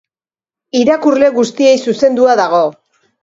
Irakurle guztiei zuzendua dago.